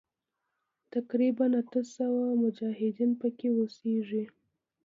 تقریباً اته سوه مجاهدین پکې اوسیږي.